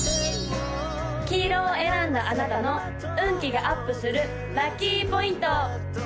黄色を選んだあなたの運気がアップするラッキーポイント！